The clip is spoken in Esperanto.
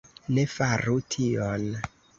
Ne faru tion.